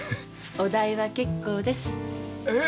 お代は結構です。え！？